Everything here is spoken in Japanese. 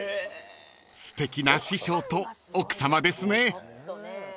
［すてきな師匠と奥さまですね］